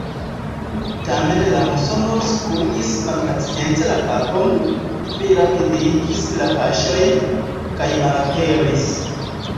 Tamen la Muso nur skuis malpacience la kapon, plirapidigis la paŝojn, kaj malaperis.